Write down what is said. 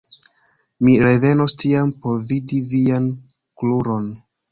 Mi revenos tiam por vidi vian kruron.